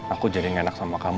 aku jadi yang enak sama kamu